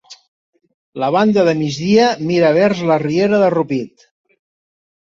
La banda de migdia mira vers la riera de Rupit.